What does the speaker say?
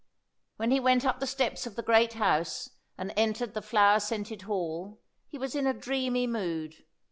When he went up the steps of the great house and entered the flower scented hall, he was in a dreamy mood.